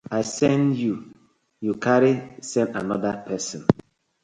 I sen yu, yu carry sen anoda pesin.